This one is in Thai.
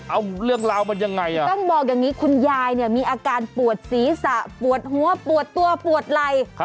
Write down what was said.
เอาเรื่องราวมันยังไงอ่ะต้องบอกอย่างนี้คุณยายเนี่ยมีอาการปวดศีรษะปวดหัวปวดตัวปวดไหล่